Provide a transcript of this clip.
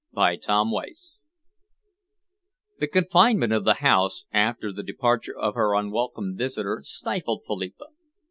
CHAPTER XXII The confinement of the house, after the departure of her unwelcome visitor, stifled Philippa.